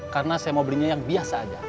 karena saya mau belinya yang biasa aja